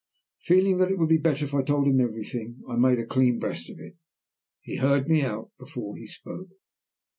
Feeling that it would be better if I told him everything, I made a clean breast of it. He heard me out before he spoke.